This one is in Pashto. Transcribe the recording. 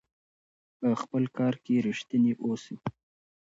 په خپل کار کې ریښتیني اوسئ.